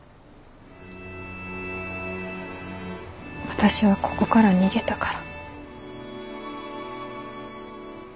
私はここから逃げたから。